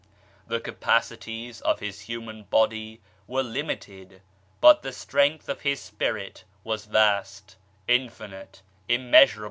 The capacities of His human body were limited but the strength of His spirit was vast, infinite, immeasurable.